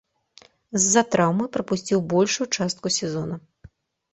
З-за траўмы прапусціў большую частку сезона.